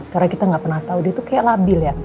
karena kita nggak pernah tahu dia itu kayak labil ya